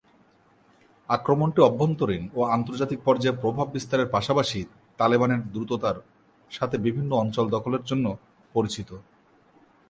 আক্রমণটি অভ্যন্তরীণ ও আন্তর্জাতিক পর্যায়ে প্রভাব বিস্তারের পাশাপাশি তালেবানের দ্রুততার সাথে বিভিন্ন অঞ্চল দখলের জন্য পরিচিত।